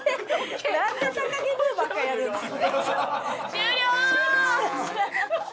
終了！